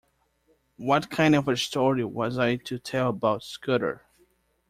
What kind of a story was I to tell about Scudder?